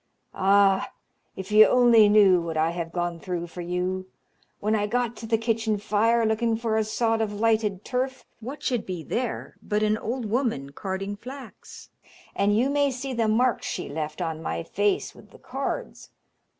Ah, if you only knew what I have gone through for you! When I got to the kitchen fire, looking for a sod of lighted turf, what should be there but an old woman carding flax, and you may see the marks she left on my face with the cards.